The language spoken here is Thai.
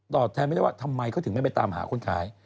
แทนไม่ได้ว่าทำไมเขาถึงไม่ไปตามหาคนขาย